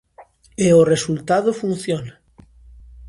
E o resultado funciona.